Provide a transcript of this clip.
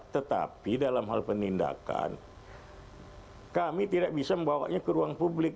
tetapi dalam hal penindakan kami tidak bisa membawanya ke ruang publik